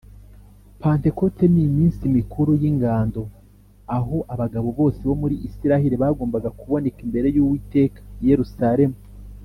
Pantekote, n’Iminsi mikuru y’Ingando, aho abagabo bose bo muri Isiraheli bagombaga kuboneka imbere y’Uwiteka i Yerusalemu.